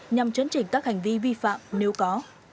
nhằm chấn chỉnh các hành vi vi phạm nếu có